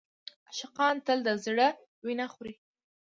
عاشقان تل د زړه وینه خوري.